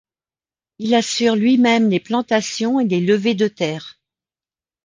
Il assure lui-même les plantations et les levées de terre.